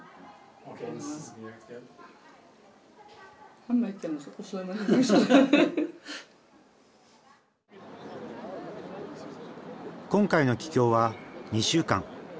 今回の帰郷は２週間。